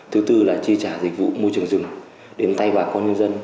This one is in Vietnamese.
thứ tư là chi trả dịch vụ môi trường rừng đến tay bà con nhân dân